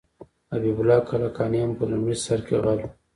حبیب الله کلکاني هم په لومړي سر کې غل و.